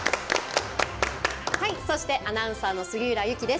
そして、アナウンサーの杉浦友紀です。